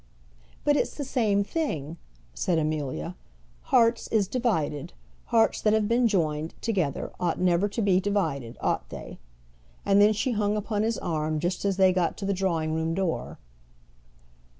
"But it's the same thing," said Amelia. "Hearts is divided. Hearts that have been joined together ought never to be divided; ought they?" And then she hung upon his arm just as they got to the drawing room door.